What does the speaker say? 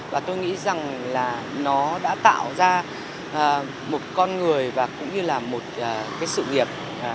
và tôi nghĩ rằng là nó đã tạo ra một con người và cũng như là một cái sự nghiệp